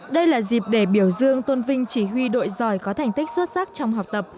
đây là dịp để biểu dương tôn vinh chỉ huy đội giỏi có thành tích xuất sắc trong học tập